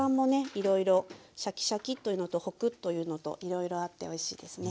いろいろシャキシャキッというのとホクッというのといろいろあっておいしいですね。